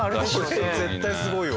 これ絶対すごいわ。